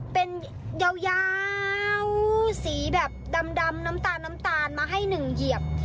เป็นยาวสีแบบดำน้ำตาลน้ำตาลมาให้หนึ่งเหยียบ